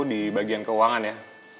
di bagian keuangan ya